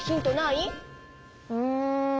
うん。